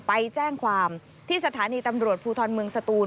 ไปแจ้งความที่สถานีตำรวจภูทรเมืองสตูน